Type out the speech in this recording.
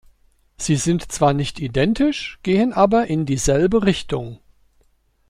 Sie sind zwar nicht identisch, gehen aber in dieselbe Richtung.